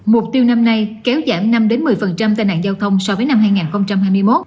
mục tiêu năm nay kéo giảm năm một mươi tai nạn giao thông so với năm hai nghìn hai mươi một